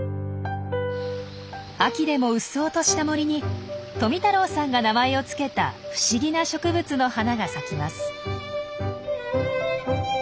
秋でもうっそうとした森に富太郎さんが名前を付けた不思議な植物の花が咲きます。